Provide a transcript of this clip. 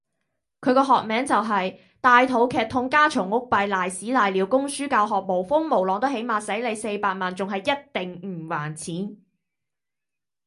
佢嘅學名就是：大肚劇痛家吵屋閉拉屎拉尿供書教學無風無浪起碼都洗你四百萬，仲喺一定唔還錢